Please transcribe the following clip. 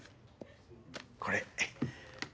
これ。